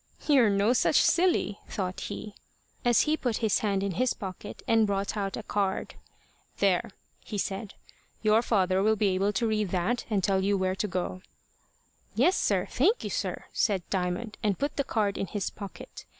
"You're no such silly!" thought he, as he put his hand in his pocket, and brought out a card. "There," he said, "your father will be able to read that, and tell you where to go." "Yes, sir. Thank you, sir," said Diamond, and put the card in his pocket.